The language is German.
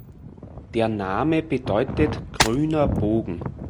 Der Name bedeutet „grüner Bogen“.